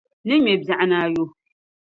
N ni ŋme biɛɣunaayo.